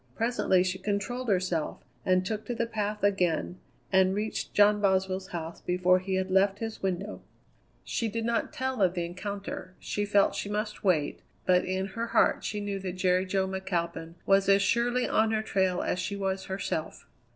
Presently she controlled herself, and took to the path again, and reached John Boswell's house before he had left his window. She did not tell of the encounter; she felt she must wait, but in her heart she knew that Jerry Jo McAlpin was as surely on her trail as she was herself.